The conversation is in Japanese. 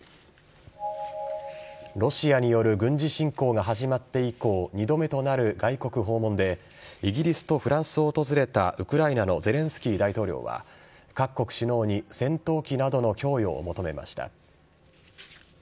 ロシアによる軍事侵攻が始まって以降２度目となる外国訪問でイギリスとフランスを訪れたウクライナのゼレンスキー大統領は各国首脳に戦闘機などの供与を求めました。